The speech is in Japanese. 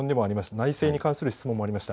内政に関する質問もありました。